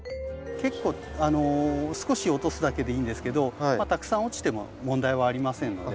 少し落とすだけでいいんですけどまあたくさん落ちても問題はありませんので。